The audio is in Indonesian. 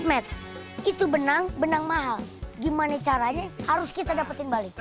med itu benang benang mahal gimana caranya harus kita dapetin balik